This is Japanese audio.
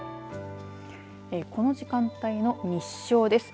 この時間帯の日照です。